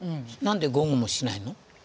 何で午後もしないの？